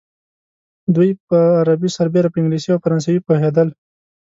دوی په عربي سربېره په انګلیسي او فرانسوي پوهېدل.